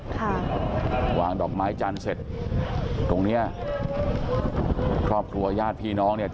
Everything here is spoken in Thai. ค่ะวางดอกไม้จันทร์เสร็จตรงเนี้ยครอบครัวญาติพี่น้องเนี่ย